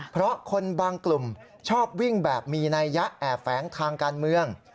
เพราะคนบางกลุ่มชอบวิ่งแบบมีนัยยะแอบแฝงทางการเมือง